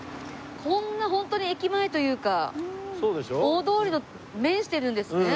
こんなホントに駅前というか大通りに面してるんですね。